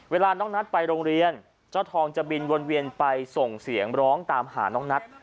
เวลาน้องนัทไปโรงเรียนเจ้าทองจะบินวนเวียนไปส่งเสียงร้องตามหาน้องนัท